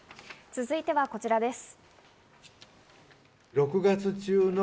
続いてはこちらです。